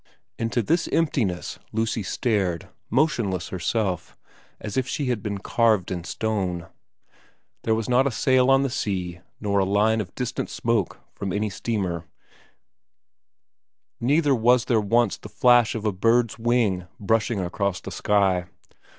Into this emptiness Lucy stared, motionless herself, as if she had been carved in stone. There was not a sail on the sea, nor a line of distant smoke from any steamer, neither was there once the flash of a bird's wing brushing across the sky.